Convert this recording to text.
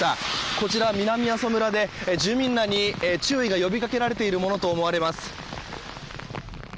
こちら南阿蘇村で住民らに注意が呼びかけられているものとみられます。